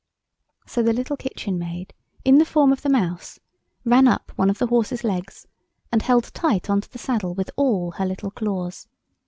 So the little Kitchen Maid, in the form of the mouse, ran up one of the horse's legs, and held tight on to the saddle with all her little claws.